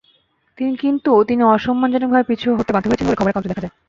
কিন্তু তিনি অসম্মানজনকভাবে পিছু হটতে বাধ্য হয়েছেন বলে খবরের কাগজে দেখা যায়।